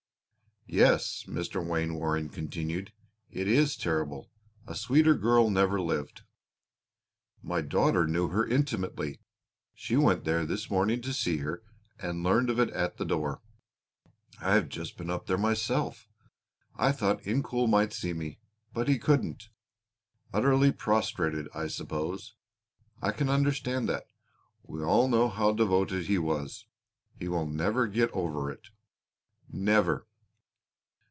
"Yes," Mr. Wainwaring continued, "it is terrible! A sweeter girl never lived. My daughter knew her intimately; she went there this morning to see her and learned of it at the door. I have just been up there myself. I thought Incoul might see me, but he couldn't. Utterly prostrated I suppose. I can understand that. We all know how devoted he was. He will never get over it never."